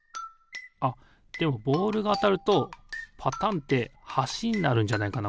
あっでもボールがあたるとパタンってはしになるんじゃないかな？